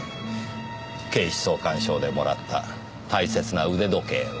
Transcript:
警視総監賞でもらった大切な腕時計を。